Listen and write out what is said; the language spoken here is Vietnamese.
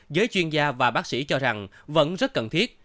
giới chuyên gia và bác sĩ cho rằng vẫn rất cần thiết